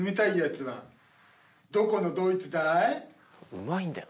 うまいんだよ。